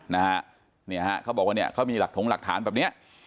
เนี่ยฮะเขาบอกว่าเขามีหลักโถงหลักฐานแบบเนี้ย